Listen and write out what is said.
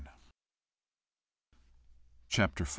CHAPTER V.